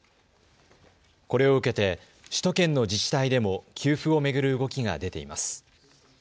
これを受けて首都圏の自治体でも給付を巡る動きが出ています。